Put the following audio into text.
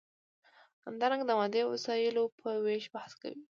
همدارنګه د مادي وسایلو په ویش بحث کوي.